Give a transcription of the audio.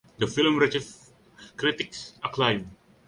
The film received critics acclaim.